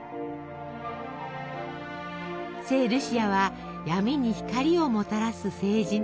聖ルシアは「闇に光をもたらす聖人」。